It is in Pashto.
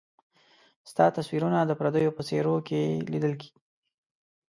ستا تصويرونه د پرديو په څيرو کي ليدل